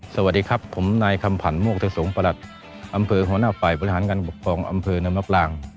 สวัสดีครับผมนายคำผันโมกทะสงศ์ประหลัดอำเภอหัวหน้าฝ่ายบริหารการปกครองอำเภอน้ำมะปราง